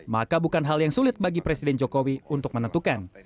maka bukan hal yang sulit bagi presiden jokowi untuk menentukan